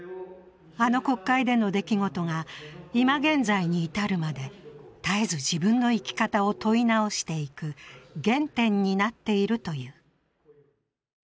あの国会での出来事が今現在に至るまで、絶えず自分の生き方を問い直していく原点になっているという。